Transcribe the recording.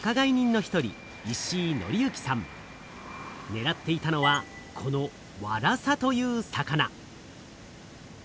ねらっていたのはこのワラサという魚。